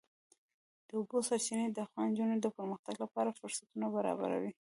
د اوبو سرچینې د افغان نجونو د پرمختګ لپاره فرصتونه برابروي.